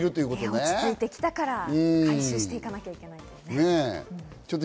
落ち着いてきたから回収していかなきゃいけない。